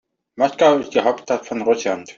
Moskau ist die Hauptstadt von Russland.